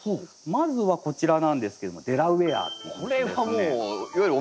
まずはこちらなんですけどもデラウェアっていう品種ですね。